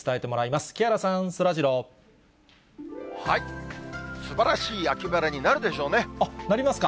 すばらしい秋晴れになるでしなりますか？